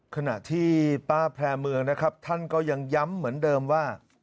ขณะที่ป้าแพร่เมืองนะครับท่านก็ยังย้ำเหมือนเดิมว่า